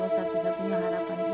satu satunya harapan ibu